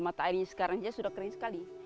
mata airnya sekarang saja sudah kering sekali